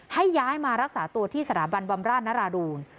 ให้ย้ายมารักษาตัวที่สถาบันบำราชนราดูล